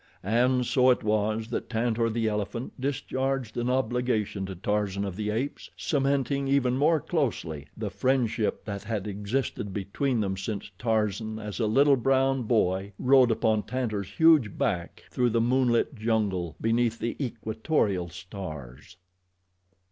And so it was that Tantor, the elephant, discharged an obligation to Tarzan of the Apes, cementing even more closely the friendship that had existed between them since Tarzan as a little, brown boy rode upon Tantor's huge back through the moonlit jungle beneath the equatorial stars.